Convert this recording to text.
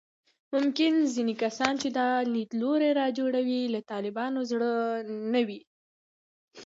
ممکن ځینې کسان چې دا لیدلوري رواجوي، له طالبانو زړه نه وي